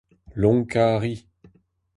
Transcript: Lonkañ a ri.